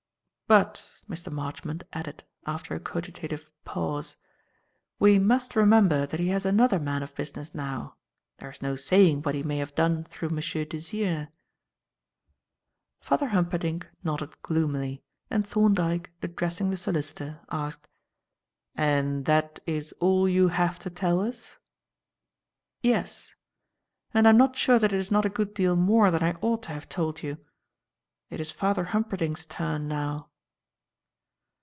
But," Mr. Marchmont added, after a cogitative pause, "we must remember that he has another man of business now. There is no saying what he may have done through M. Desire." Father Humperdinck nodded gloomily, and Thorndyke addressing the solicitor, asked: "And that is all you have to tell us?" "Yes. And I'm not sure that it is not a good deal more than I ought to have told you. It is Father Humperdinck's turn now."